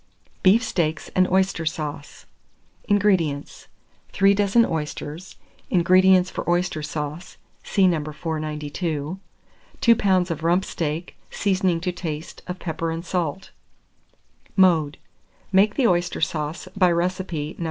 BEEF STEAKS AND OYSTER SAUCE. 603. INGREDIENTS. 3 dozen oysters, ingredients for oyster sauce (see No. 492), 2 lbs. of rump steak, seasoning to taste of pepper and salt. Mode. Make the oyster sauce by recipe No.